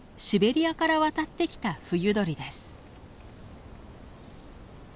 シベリアから渡ってきた冬鳥です。